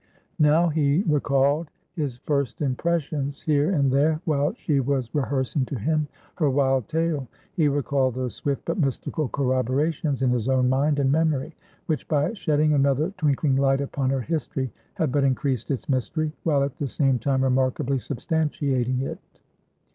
Now he recalled his first impressions, here and there, while she was rehearsing to him her wild tale; he recalled those swift but mystical corroborations in his own mind and memory, which by shedding another twinkling light upon her history, had but increased its mystery, while at the same time remarkably substantiating it.